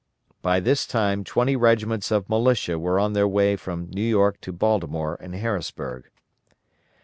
By this time twenty regiments of militia were on their way from New York to Baltimore and Harrisburg.